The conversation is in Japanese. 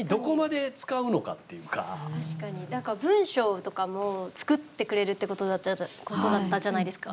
確かに、なんか文章とかも作ってくれるってことだったじゃないですか。